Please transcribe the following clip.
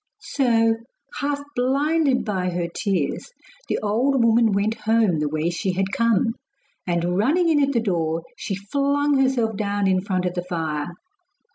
So, half blinded by her tears, the old woman went home the way she had come, and running in at the door, she flung herself down in front of the fire.